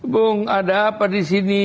bung ada apa di sini